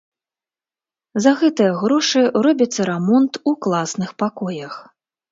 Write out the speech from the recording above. За гэтыя грошы робіцца рамонт у класных пакоях.